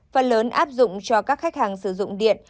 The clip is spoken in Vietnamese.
phần lớn áp dụng cho các khách hàng sử dụng điện